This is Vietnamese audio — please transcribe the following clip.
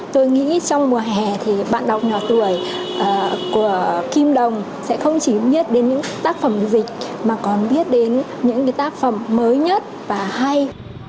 tôi nghĩ trong mùa hè thì bạn đọc nhỏ tuổi của kim đồng sẽ không chỉ biết đến những tác phẩm dịch mà còn biết đến những tác phẩm mới nhất và hay